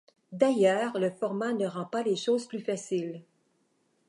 D'ailleurs, le format ne rend pas les choses plus faciles.